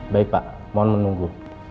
baik pak mohon menunggu